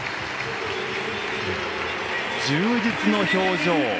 充実の表情。